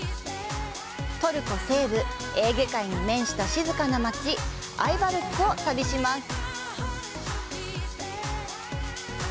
トルコ西部、エーゲ海に面した静かな街アイヴァルックを旅します。